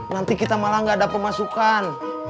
nanti kita malah gak ada pemasukan